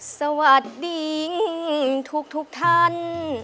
สวัสดีทุกท่าน